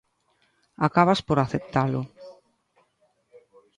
Acabas por aceptalo.